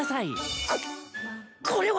ここれは！